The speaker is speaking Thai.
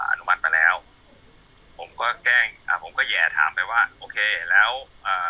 อนุมัติไปแล้วผมก็แกล้งอ่าผมก็แห่ถามไปว่าโอเคแล้วอ่า